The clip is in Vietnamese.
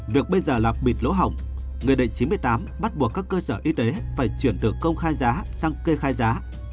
việc bây giờ là bịt lỗ hỏng nghị định chín mươi tám bắt buộc các cơ sở y tế phải chuyển từ công khai giá sang kê khai giá